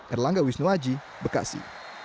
erlangga wisnuaji bekasi